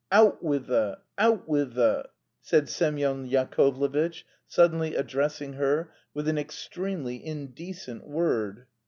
"Out with the , out with the ," said Semyon Yakovlevitch, suddenly addressing her, with an extremely indecent word.